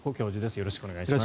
よろしくお願いします。